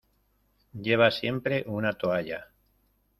Lleva siempre una toalla.